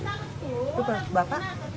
itu waktu bapak